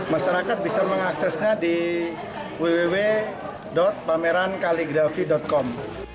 masyarakat bisa mengaksesnya di www pamerankaligrafi com